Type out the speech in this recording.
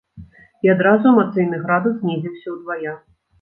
І адразу эмацыйны градус знізіўся удвая.